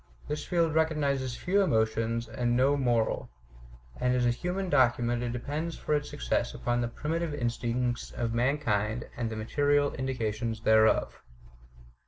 This field recognizes few emotions and no moral; and as a human document it depends for its success upon the primitive instincts of mankind and the material indications thereof.